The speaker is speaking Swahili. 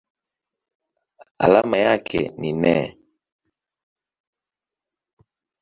Alama yake ni Ne.